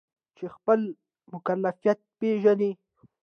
چې خپل مکلفیت پیژني.